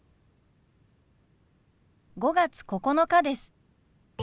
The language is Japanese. ５月９日です。